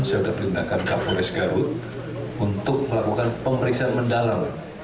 saya sudah perintahkan kapolres garut untuk melakukan pemeriksaan mendalam